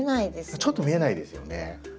ちょっと見えないですよね。